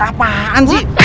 dompet apaan sih